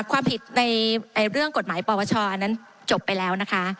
ความผิดในเรื่องกฎหมายปวชอันนั้นจบไปแล้วนะคะ